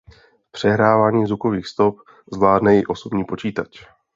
Přehrávání zvukových stop zvládne i osobní počítač.